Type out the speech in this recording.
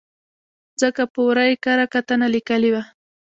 ځکه په ور ه یې کره کتنه لیکلې وه.